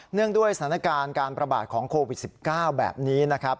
งด้วยสถานการณ์การประบาดของโควิด๑๙แบบนี้นะครับ